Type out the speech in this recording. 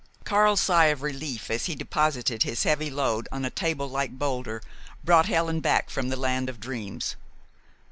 Karl's sigh of relief as he deposited his heavy load on a tablelike boulder brought Helen back from the land of dreams.